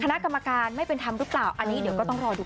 คณะกรรมการไม่เป็นธรรมหรือเปล่าอันนี้เดี๋ยวก็ต้องรอดู